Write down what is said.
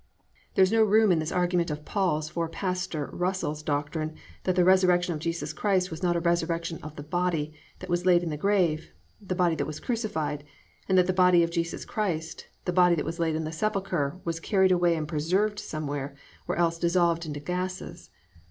There is no room in this argument of Paul's for "Pastor" Russell's doctrine, that the resurrection of Jesus Christ was not a resurrection of the body that was laid in the grave, the body that was crucified, and that the body of Jesus Christ, the body that was laid in the sepulchre, was carried away and preserved somewhere, or else dissolved into gases.